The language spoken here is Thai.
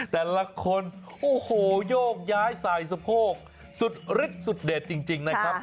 แต่ละคนโอ้โหโยกย้ายสายสะโพกสุดฤทธิสุดเด็ดจริงนะครับ